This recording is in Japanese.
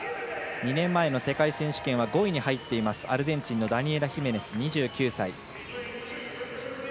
２年前の世界選手権は５位に入っているアルゼンチンのダニエラ・ヒメネス、２９歳。